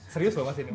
serius bahwa mas ini